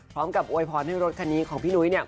พร้อมกับโวยพรให้รถคันนี้ของพี่หนุ๊ยเนี่ย